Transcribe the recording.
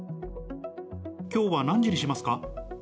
きょうは何時にしますか？